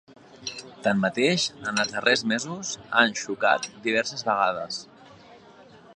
Tanmateix, en els darrers mesos, han xocat diverses vegades.